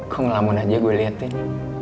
kok ngelamin aja gue liatin